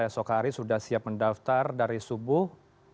esok hari sudah siap mendaftar dari subuh